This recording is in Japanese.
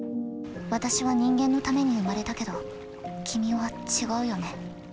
私は人間のために生まれたけど君は違うよね。